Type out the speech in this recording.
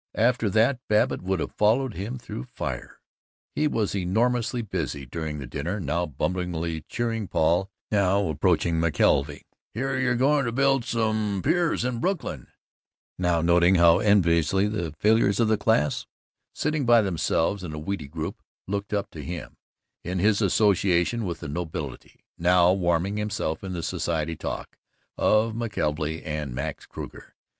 After that, Babbitt would have followed him through fire. He was enormously busy during the dinner, now bumblingly cheering Paul, now approaching McKelvey with "Hear, you're going to build some piers in Brooklyn," now noting how enviously the failures of the class, sitting by themselves in a weedy group, looked up to him in his association with the nobility, now warming himself in the Society Talk of McKelvey and Max Kruger.